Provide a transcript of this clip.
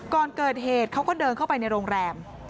ก่อนเกิดเหตุเขาก็เดินเข้าไปในโรงแรม